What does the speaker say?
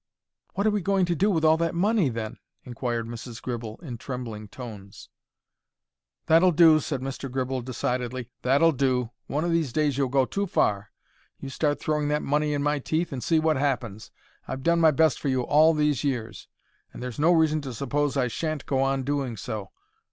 "What are we going to do with all that money, then?" inquired Mrs. Gribble, in trembling tones. "That'll do," said Mr. Gribble, decidedly. "That'll do. One o' these days you'll go too far. You start throwing that money in my teeth and see what happens. I've done my best for you all these years, and there's no reason to suppose I sha'n't go on doing so.